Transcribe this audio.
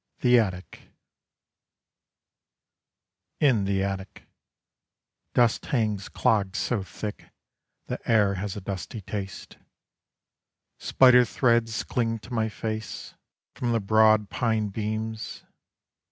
THE ATTIC IN THE ATTIC Dust hangs clogged so thick The air has a dusty taste: Spider threads cling to my face, From the broad pine beams.